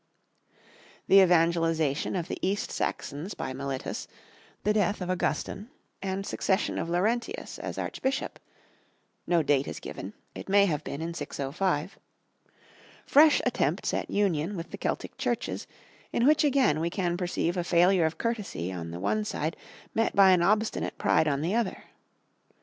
D.); the evangelization of the East Saxons by Mellitus; the death of Augustine and succession of Laurentius as Archbishop (no date is given; it may have been in 605); fresh attempts at union with the Celtic Churches, in which again we can perceive a failure of courtesy on the one side met by an obstinate pride on the other.